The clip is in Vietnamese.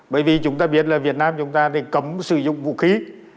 bởi vì chúng ta biết là việt nam chúng ta thì cấm sử dụng vũ khí